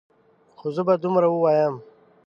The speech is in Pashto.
خو زه به دومره ووایم.